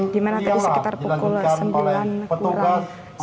di mana tadi sekitar pukul sembilan kurang